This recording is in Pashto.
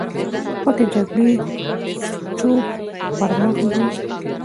پټې جګړې چوپ پر مخ ځي.